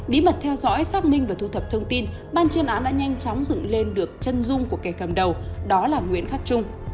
bí mật theo dõi xác minh và thu thập thông tin ban chuyên án đã nhanh chóng dựng lên được chân dung của kẻ cầm đầu đó là nguyễn khắc trung